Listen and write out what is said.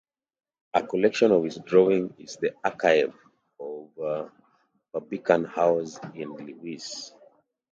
A collection of his drawings is in the archive of Barbican House in Lewes.